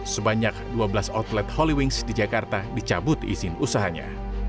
sebanyak dua belas outlet holy wings di jakarta dicabut izin usahanya